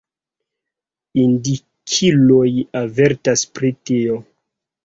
Indikiloj avertas pri tio.